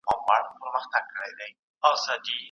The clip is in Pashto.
زموږ په هیواد کي بازارموندنه ډېره مهمه ده.